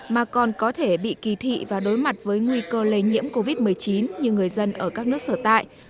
mà còn có thể bị kỳ thị và đối mặt với nguy cơ lây nhiễm covid một mươi chín như người dân ở các nước sở tại